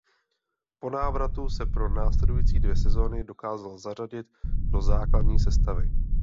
Po návratu se pro následující dvě sezony dokázal zařadit do základní sestavy.